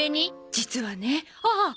実はねああっ！